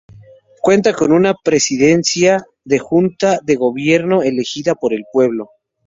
Cuenta con una presidencia de junta de gobierno elegida por el pueblo.